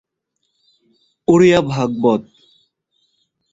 Odia Bhagavata